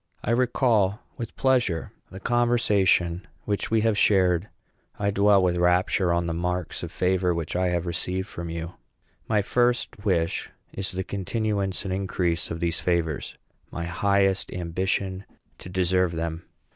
I recall with pleasure the conversation which we have shared. I dwell with rapture on the marks of favor which I have received from you. My first wish is the continuance and increase of these favors; my highest ambition, to deserve them.